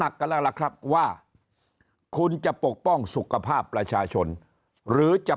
กันแล้วล่ะครับว่าคุณจะปกป้องสุขภาพประชาชนหรือจะ